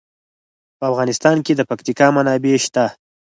په افغانستان کې د پکتیکا منابع شته.